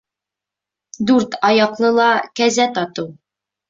Дүрт аяҡлыла кәзә татыу.